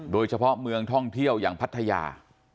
โดยเฉพาะเมืองท่องเที่ยวอย่างพัทยา